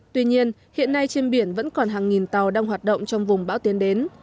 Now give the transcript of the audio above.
tuy nhiên hiện nay trên biển vẫn còn hàng nghìn tàu đang hoạt động trong vùng bão tiến đến